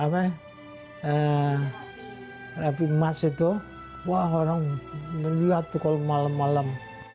karena emas itu orang melihat itu kalau malam malam